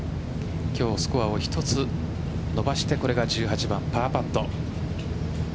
今日スコアを１つ伸ばしてこれが１８番、パーパット。